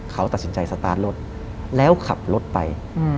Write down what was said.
เขาตัดสินใจสตาร์ทรถแล้วขับรถไป